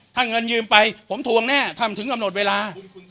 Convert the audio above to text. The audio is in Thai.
ถ้าเงินยืมไปผมทวงแน่ท่านถึงกำหนดเวลา